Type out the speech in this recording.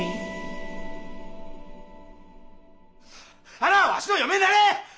ハナはわしの嫁になれ！